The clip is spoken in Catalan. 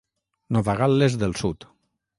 Nova Gal·les del Sud.